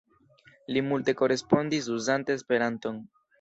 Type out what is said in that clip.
Li multe korespondis uzante Esperanton.